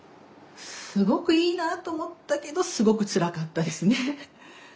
すごくいいなあと思ったけどすごくつらかったですね。